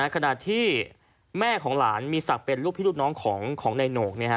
ขณะที่แม่ของหลานมีศักดิ์เป็นลูกพี่ลูกน้องของนายโหนก